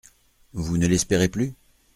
Vous ne l’espérez plus ?…